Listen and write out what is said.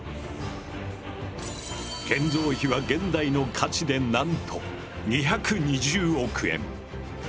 建造費は現代の価値でなんと２２０億円。